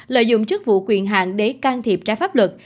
lợi dụng chức vụ quyền hạn để can thiệp trái pháp luật